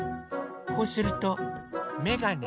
こうするとめがね。